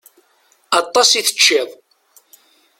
Aṭas i teččiḍ.